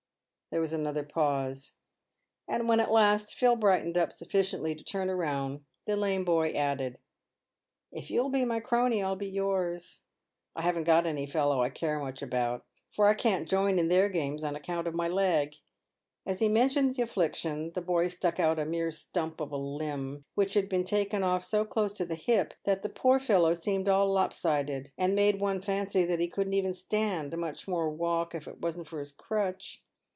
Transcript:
" There was another pause, and when at last Phil brightened up sufficiently to turn round, the lame boy added, "If you'll be my croney I'll be yours. I haven't got any fellow I care much about, for I can't join in their games on account of my leg." As he men tioned the affliction, the boy stuck out a mere stump of a limb, which had been taken off so close to the hip that the poor fellow seemed all lop sided, and made one fancy that he couldn't even stand, much more walk, if it wasn't for his crutch.